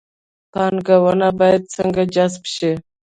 پانګونه باید څنګه جذب شي؟